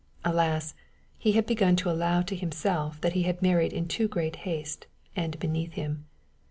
Alas! he had begun to allow to himself that he had married in too great haste and beneath him.